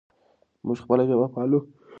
موږ خپله ژبه پالو.